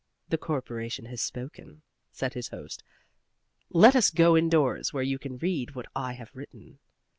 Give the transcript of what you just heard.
"The Corporation has spoken," said his host. "Let us go indoors, where you can read what I have written."